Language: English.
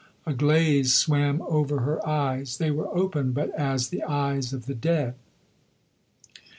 A glaze swam over her eyes; they were open, but as the eyes of the dead.